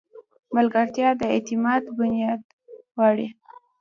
ملګرتیا د اعتماد بنیاد غواړي.